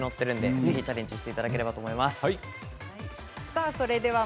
ぜひチャレンジしていただければと思います。